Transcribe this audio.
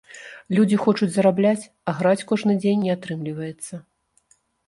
Людзі хочуць зарабляць, а граць кожны дзень не атрымліваецца.